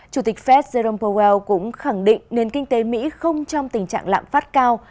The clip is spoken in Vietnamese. chủ tịch phép jerome powell cũng khẳng định nền kinh tế mỹ không trong tình trạng lạm phát cao